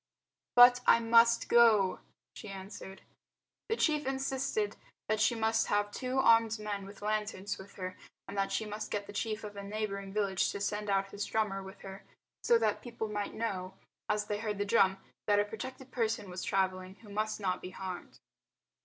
"But I must go," she answered. The chief insisted that she must have two armed men with lanterns with her, and that she must get the chief of a neighbouring village to send out his drummer with her so that people might know as they heard the drum that a protected person was travelling who must not be harmed.